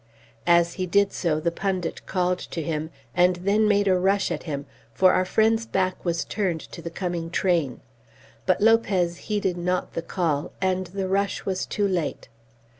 As he did so the pundit called to him, and then made a rush at him, for our friend's back was turned to the coming train. But Lopez heeded not the call, and the rush was too late.